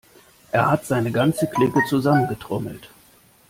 Er hat seine ganze Clique zusammengetrommelt.